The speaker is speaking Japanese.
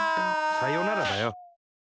「さよなら」だよ。